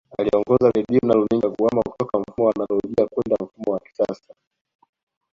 Aliongoza Redio na runinga kuhama kutoka mfumo wa anolojia kwenda mfumo wa kisasa